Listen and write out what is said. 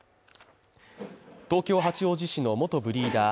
東京・八王子市の元ブリーダー